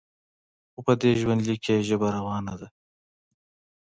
خو په دې ژوندلیک کې یې ژبه روانه ده.